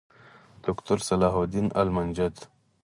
دوکتور صلاح الدین المنجد